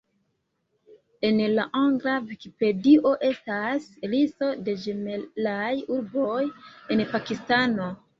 En la angla Vikipedio estas listo de ĝemelaj urboj en Pakistano.